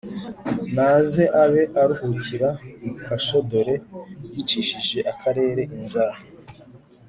naze abe aruhukira mu kasho dore yicishije akarere inzara"